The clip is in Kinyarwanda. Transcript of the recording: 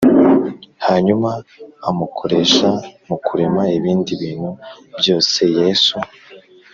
Hanyuma Amukoresha Mu Kurema Ibindi Bintu Byose Yesu